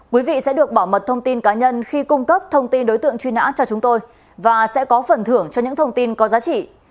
quý vị sẽ được bảo mật thông tin cá nhân khi cung cấp thông tin đối tượng truy nã cho chúng tôi và sẽ có phần thưởng cho những thông tin có giá trị